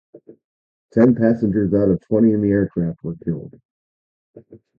Ten passengers out of twenty in the aircraft were killed.